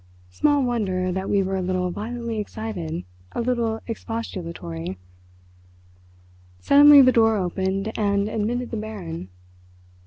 '" Small wonder that we were a little violently excited, a little expostulatory. Suddenly the door opened and admitted the Baron.